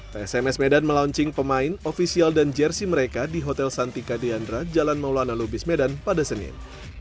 psms medan melaunching pemain ofisial dan jersi mereka di hotel santika deanra jalan maulana lubis medan pada senin